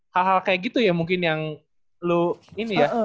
hal hal kayak gitu ya mungkin yang lo ini ya